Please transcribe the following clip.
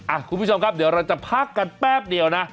คุณผู้ชมครับเดี๋ยวเราจะพักกันแป๊บเดียวนะ